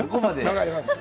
分かります。